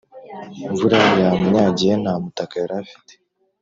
imvura yamunyagiye ntamutaka yarafite